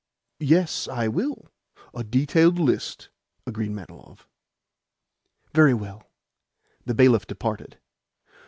"Yes, I will a detailed list," agreed Manilov. "Very well." The bailiff departed.